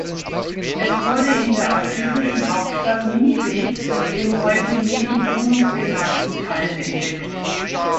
Es wurde in der assyrischen Hauptstadt Niniveh im heute Nebi Yunus genannten Tell entdeckt.